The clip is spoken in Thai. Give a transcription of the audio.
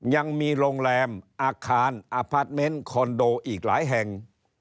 ยังมีโรงแรมอาคารอพาร์ทเมนต์คอนโดอีกหลายแห่ง